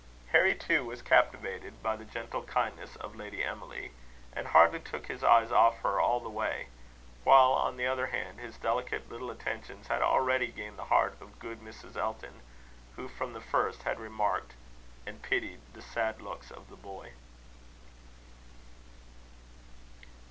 Harry, too, was captivated by the gentle kindness of Lady Emily, and hardly took his eyes off her all the way; while, on the other hand, his delicate little attentions had already gained the heart of good Mrs. Elton, who from the first had remarked and pitied the sad looks of the boy.